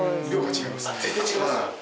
・違いますか？